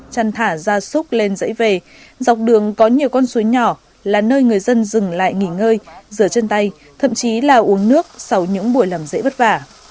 chăn thả ra súc lên dãy về dọc đường có nhiều con suối nhỏ là nơi người dân dừng lại nghỉ ngơi rửa chân tay thậm chí là uống nước sau những buổi làm dễ vất vả